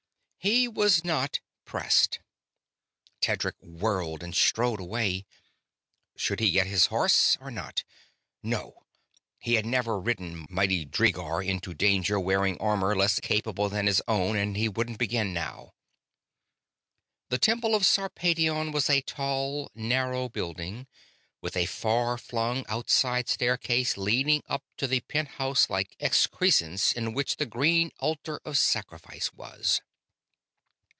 He was not pressed. Tedric whirled and strode away. Should he get his horse, or not? No. He had never ridden mighty Dreegor into danger wearing armor less capable than his own, and he wouldn't begin now. The Temple of Sarpedion was a tall, narrow building, with a far flung outside staircase leading up to the penthouse like excrescence in which the green altar of sacrifice was.